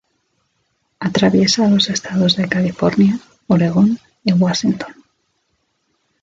Atraviesa los estados de California, Oregón y Washington.